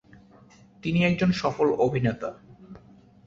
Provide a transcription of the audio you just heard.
তিনি একজন সফল অভিনেতা।